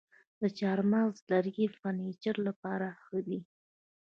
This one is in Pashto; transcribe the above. د چهارمغز لرګی د فرنیچر لپاره ښه دی.